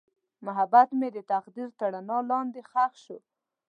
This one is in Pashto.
محبت مې د تقدیر تر رڼا لاندې ښخ شو.